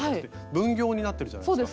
分業になってるじゃないですか。